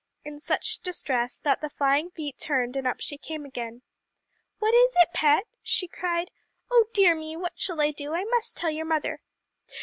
in such distress that the flying feet turned, and up she came again. "What is it, Pet?" she cried. "Oh dear me! What shall I do? I must tell your mother."